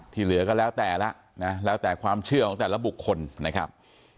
เหลือก็แล้วแต่ละนะแล้วแต่ความเชื่อของแต่ละบุคคลนะครับ